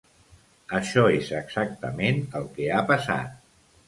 Això és exactament el que ha passat!